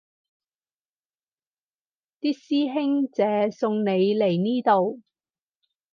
啲師兄姐送你嚟呢度